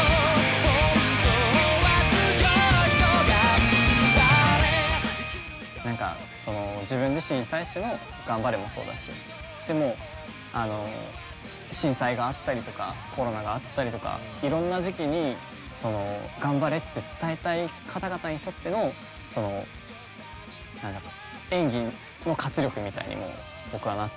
本当は強い人頑張れ何か自分自身に対しての頑張れもそうだしでも震災があったりとかコロナがあったりとかいろんな時期に頑張れって伝えたい方々にとっての演技の活力みたいにも僕はなってて。